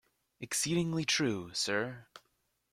Exceedingly true, sir.